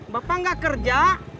bapak gak kerja